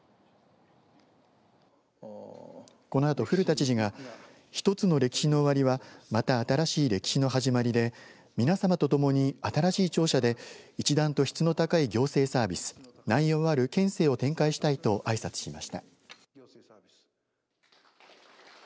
このあと古田知事が一つの歴史の終わりはまた新しい歴史の始まりで皆さまとともに新しい庁舎で一段と質の高い行政サービス内容ある県政を展開したいとあいさつしました。